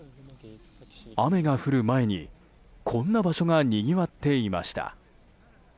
雨が降る前に、こんな場所がにぎわっていました。